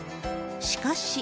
しかし。